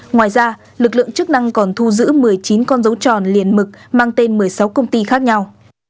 ngoài ra lực lượng chức năng còn thu giữ một mươi chín con dấu tròn liền mực mang tên một mươi sáu công ty khác nhau